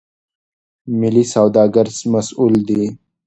ملي سوداګر مسئول دي.